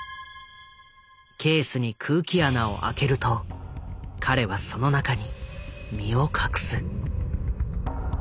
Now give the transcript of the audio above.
ケースに空気穴を開けると彼はその中に身を隠す。